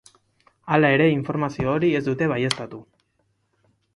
Hala ere, informazio hori ez dute baieztatu.